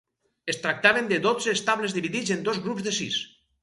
Es tractaven de dotze estables dividits en dos grups de sis.